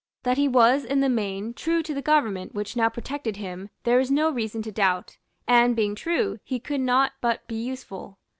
That he was in the main true to the government which now protected him there is no reason to doubt; and, being true, he could not but be useful.